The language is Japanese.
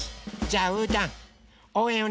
じゃあうーたん